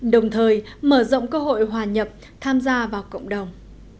đồng thời mở rộng cơ hội hòa nhập tham gia vào cộng đồng